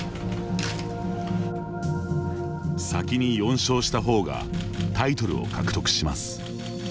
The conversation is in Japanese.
先に４勝した方がタイトルを獲得します。